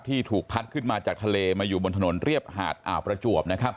ถูกพัดขึ้นมาจากทะเลมาอยู่บนถนนเรียบหาดอ่าวประจวบนะครับ